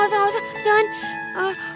gak usah jangan